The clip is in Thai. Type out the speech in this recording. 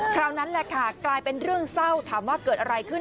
นั่นแหละค่ะกลายเป็นเรื่องเศร้าถามว่าเกิดอะไรขึ้น